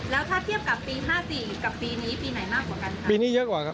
แล้วถ้าเทียบกับปี๕๔กับปีนี้ปีไหนมากกว่ากันครับ